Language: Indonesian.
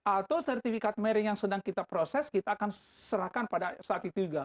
atau sertifikat maring yang sedang kita proses kita akan serahkan pada saat itu juga